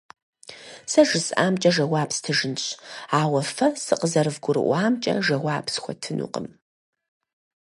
Сэ жысӏамкӏэ жэуап стыжынщ, ауэ фэ сыкъызэрывгурыӏуамкӏэ жэуап схуэтынукъым.